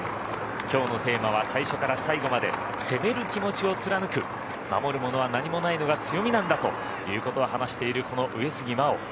きょうのテーマは最初から最後まで攻める気持ちを貫く守るものは何もないのが強みなんだということを話しているこの上杉真穂。